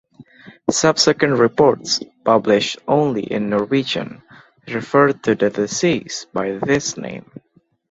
Subsequent reports, published only in Norwegian, referred to the disease by this name.